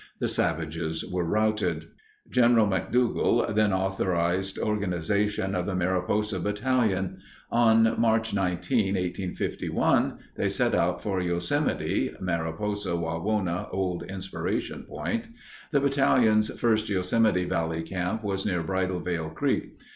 The savages were routed. Governor McDougal then authorized organization of the Mariposa Battalion. On March 19, 1851, they set out for Yosemite (Mariposa Wawona Old Inspiration Point). The Battalion's first Yosemite Valley camp was near Bridalveil Creek.